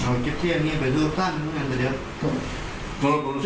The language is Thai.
เอาเก็บเทียนเนี้ยไปด้วยออกต้านนึงกันเดี๋ยวเดี๋ยว